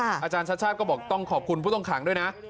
อาจารย์ชาติชาติก็บอกต้องขอบคุณผู้ต้องขังด้วยนะ